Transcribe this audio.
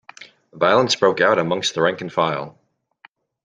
Violence broke out amongst the rank and file.